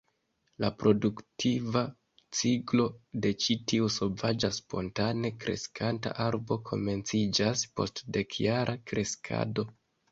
La produktiva ciklo de ĉi tiu sovaĝa spontane kreskanta arbo komenciĝas post dekjara kreskado.